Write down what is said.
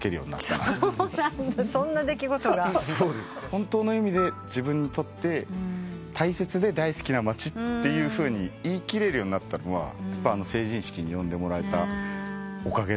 本当の意味で自分にとって大切で大好きな町っていうふうに言い切れるようになったのは成人式に呼んでもらえたおかげ。